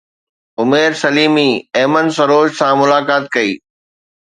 عمير سليمي ايمن سروش سان ملاقات ڪئي